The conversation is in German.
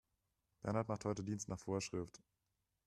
Bernhard macht heute Dienst nach Vorschrift.